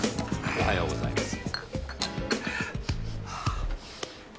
おはようございます。